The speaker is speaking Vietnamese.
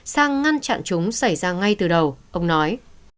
sang ngăn chặn chúng xảy ra ngay từ đầu ông nói